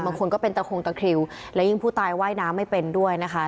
บางคนก็เป็นตะโคงตะคริวและยิ่งผู้ตายว่ายน้ำไม่เป็นด้วยนะคะ